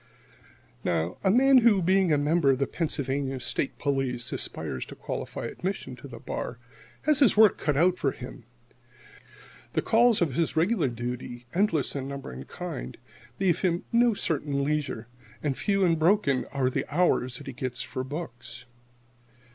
Now, a man who, being a member of the Pennsylvania State Police,[69 1] aspires to qualify for admission to the bar, has his work cut out for him. The calls of his regular duty, endless in number and kind, leave him no certain leisure, and few and broken are the hours that he gets for books.